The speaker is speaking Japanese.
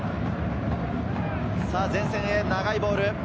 前線へ長いボール。